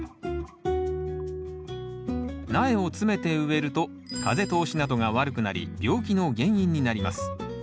苗を詰めて植えると風通しなどが悪くなり病気の原因になります。